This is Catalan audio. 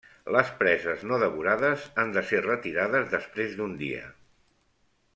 Les preses no devorades han de ser retirades després d'un dia.